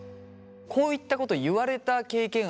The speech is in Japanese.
こういったこと言われた経験ある？